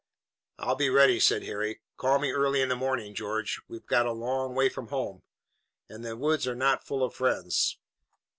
"I'll be ready," said Harry. "Call me early in the morning, George. We're a long way from home, and the woods are not full of friends.